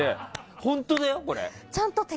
本当だよ、これ！